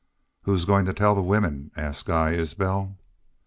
"Who's goin' to tell the women?" asked Guy Isbel.